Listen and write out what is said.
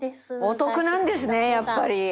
お得なんですねやっぱり。